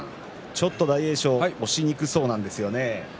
ちょっと大栄翔押しにくそうなんですよね。